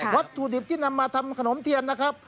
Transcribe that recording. วัตถุดิบที่นำมาทำขนมเทียนนะครับ